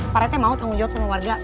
parete mau tanggung jawab sama warga